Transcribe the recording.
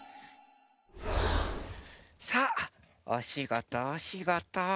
さあおしごとおしごと！